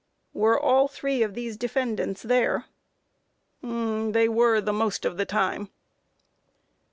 Q. Were all three of these defendants there? A. They were the most of the time.